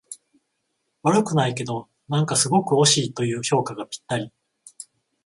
悪くないけど、なんかすごく惜しいという評価がぴったり